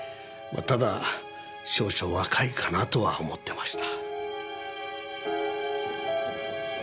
ただ少々若いかなとは思ってました。